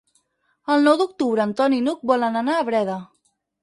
El nou d'octubre en Ton i n'Hug volen anar a Breda.